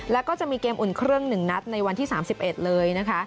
แล้วก็จะมีเกมอุ่นเครื่อง๑นัดในวันที่๓๑เลยนะคะ